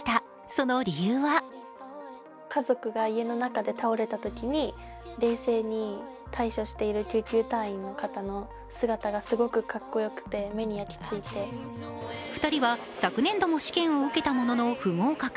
その理由は２人は昨年度も試験を受けたものの、不合格。